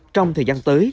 trong thời gian tới